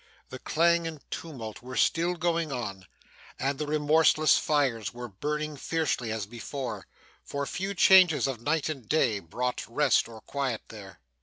The clang and tumult were still going on, and the remorseless fires were burning fiercely as before; for few changes of night and day brought rest or quiet there.